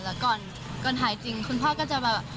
แล้วก่อนหายจริงคุณพ่อก็จะแบบ